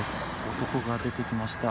男が出てきました。